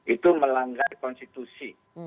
itu melanggar konstitusi